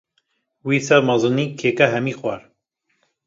Wî ser mezinî, kêke hemî xwar